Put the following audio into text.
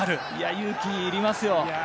勇気がいりますよ。